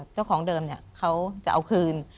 เจ้าของเดิมเขาจะเอาคืน